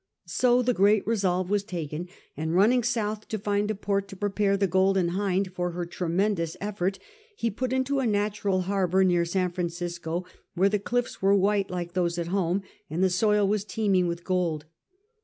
So the great resolve was taken, and running south to find a port to prepare the Golden Hind for her tremendous effort, he put into a natural harbour near San Francisco, where the 'cliffs were white like those at home, and the soil was teeming with gold.